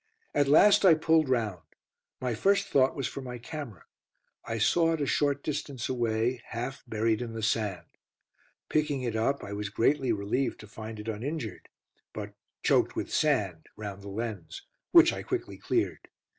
At last I pulled round; my first thought was for my camera. I saw it a short distance away, half buried in the sand. Picking it up, I was greatly relieved to find it uninjured, but choked with sand round the lens, which I quickly cleared.